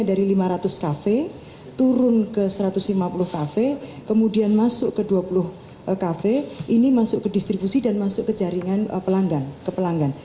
dari lima ratus cafe turun ke satu ratus lima puluh kafe kemudian masuk ke dua puluh kafe ini masuk ke distribusi dan masuk ke jaringan pelanggan ke pelanggan